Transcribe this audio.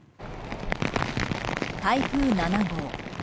台風７号。